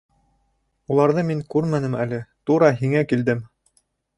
— Уларҙы мин күрмәнем әле, тура һиңә килдем.